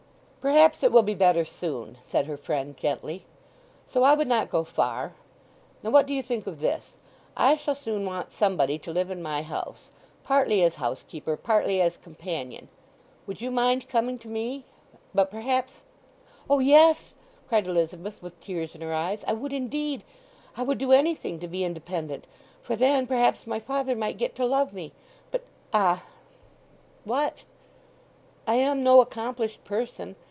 "Perhaps it will be better soon," said her friend gently. "So I would not go far. Now what do you think of this: I shall soon want somebody to live in my house, partly as housekeeper, partly as companion; would you mind coming to me? But perhaps—" "O yes," cried Elizabeth, with tears in her eyes. "I would, indeed—I would do anything to be independent; for then perhaps my father might get to love me. But, ah!" "What?" "I am no accomplished person.